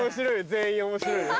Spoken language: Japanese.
全員面白いよ。